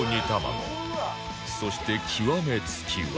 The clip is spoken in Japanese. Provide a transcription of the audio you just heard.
そして極め付きは